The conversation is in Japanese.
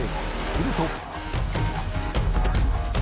すると。